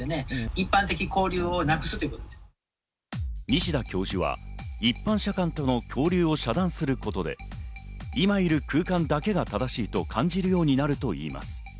西田教授は一般社会との交流を遮断することで、今いる空間だけが正しいと感じるようになるといいます。